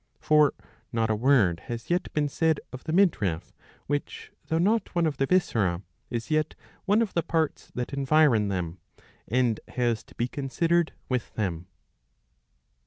For not a word has yet been said of the midriff", which, though not one of the viscera, is yet one of the parts that environ them, and has to be considered with them.